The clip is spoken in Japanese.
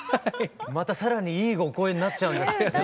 また更にいいお声になっちゃうんですかね